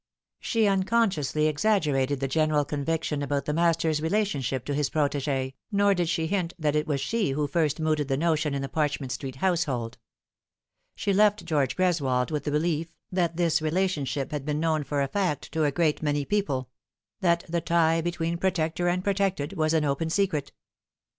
She uncon Bciously exaggerated the general conviction about the master's relationship to his protegee, nor did she hint that it was she who first mooted the notion in the Parchment Street household. She left George Greswold with the belief that this relationship had been known for a fact to a great many people that the tie between protector and protected was an open secret. 150 The Fatal Three.